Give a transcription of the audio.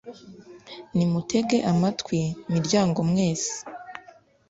Nimutege amatwi, miryango mwese,